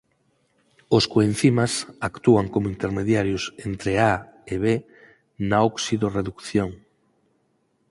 Os coencimas actúan como intermediarios entre A e B na oxidorredución.